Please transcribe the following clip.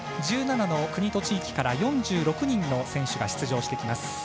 １７の国と地域から４６人の選手が出場します。